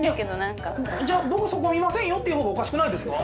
僕そこ見ませんよって言う方がおかしくないですか？